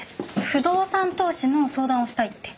不動産投資の相談をしたいって。